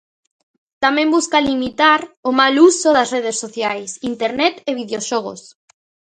Tamén busca limitar o "mal uso" das redes sociais, internet e videoxogos.